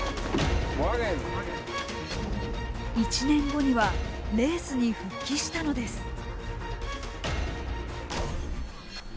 １年後にはレースに復帰したのです。